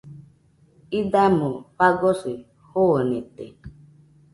Idamo fagosi joonete.